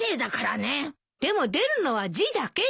でも出るのは字だけよ？